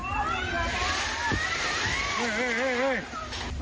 มาครั้งนี้มันจะมากินกินขนุนครับ